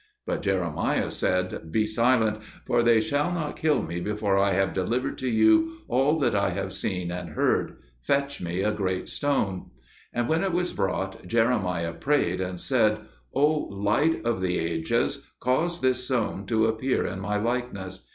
But Jeremiah said, "Be silent, for they shall not kill me before I have delivered to you all that I have seen and heard. Fetch me a great stone." And when it was brought, Jeremiah prayed and said, "O Light of the Ages, cause this stone to appear in my likeness."